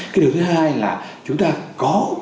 cái điều thứ hai là chúng ta có